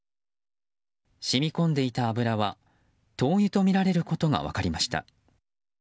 しみこんでいた油は灯油とみられることが分かりました。